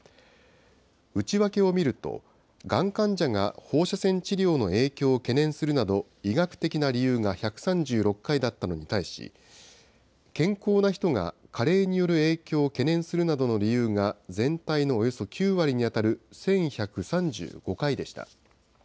内訳をみると、がん患者が放射線治療の影響を懸念するなど、医学的な理由が１３６回だったのに対し、健康な人が加齢による影響を懸念するなどの理由が全体のおよそ９割に当たる１１３５回でした。